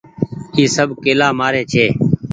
اي سب ڪيلآ مآري ڇي۔